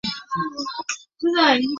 略阳郡人。